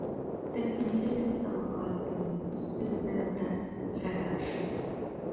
تر پنځلس سوه کال پورې نفوس سل زرو ته راکم شو.